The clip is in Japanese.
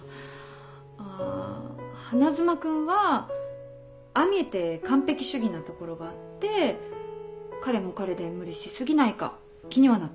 あ花妻君はああ見えて完璧主義なところがあって彼も彼で無理し過ぎないか気にはなってる。